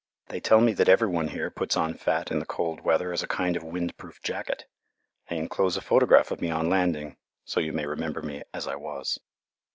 They tell me that every one here puts on fat in the cold weather as a kind of windproof jacket. I enclose a photograph of me on landing, so you may remember me as I was.